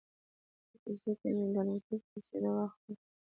زوی ته مې د الوتکې رسېدو وخت ورکړ.